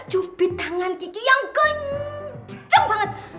jubit tangan kiki yang kenceng banget